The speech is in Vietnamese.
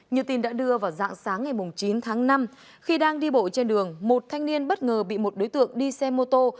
như tin đã đưa vào dạng sáng ngày chín tháng năm khi đang đi bộ trên đường một thanh niên bất ngờ bị một đối tượng đi xe mô tô